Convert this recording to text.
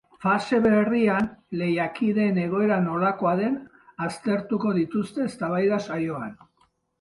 Fase berrian lehiakideen egoera nolakoa den aztertuko dituzte eztabaida-saioan.